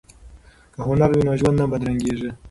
که هنر وي نو ژوند نه بدرنګیږي.